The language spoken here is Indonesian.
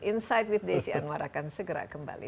inside with desy anwar akan segera kembali